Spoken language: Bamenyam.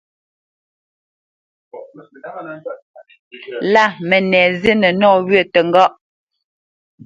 Lâ mənɛ zínə nɔwyə̂ təŋgá.